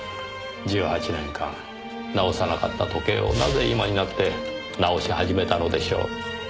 １８年間直さなかった時計をなぜ今になって直し始めたのでしょう？